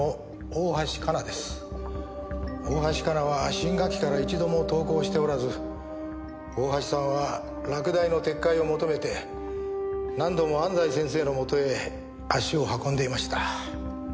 大橋香菜は新学期から一度も登校しておらず大橋さんは落第の撤回を求めて何度も安西先生のもとへ足を運んでいました。